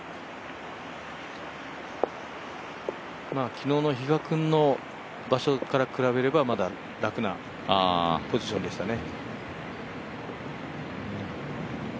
昨日の比嘉君の場所から比べるとまだ楽なポジションでしたね。